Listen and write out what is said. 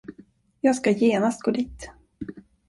Jag skall genast gå dit.